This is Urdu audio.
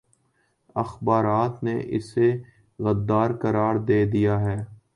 اخبارات نے اسے غدارقرار دے دیاہے